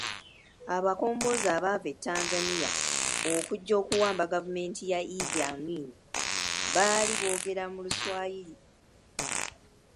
Abakombozi abaava e Tanzania okujja okuwamba gavumenti ya Iddi Amin baali boogera mu Luswayiri.